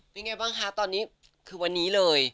เป็นไงบ้างคะตอนนี้คือวันนี้เลย